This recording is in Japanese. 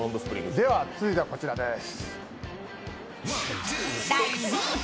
では続いてはこちらです。